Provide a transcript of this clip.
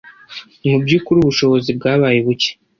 Mu by’ukuri ubushobozi bwabaye buke